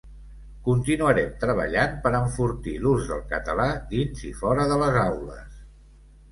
Continuarem treballant per enfortir l'ús del català dins i fora de les aules.